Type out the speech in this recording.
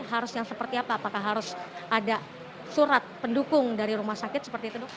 harusnya seperti apa apakah harus ada surat pendukung dari rumah sakit seperti itu dok